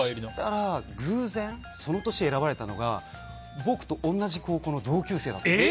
偶然、その年選ばれたのが僕と同じ高校の同級生だったんです。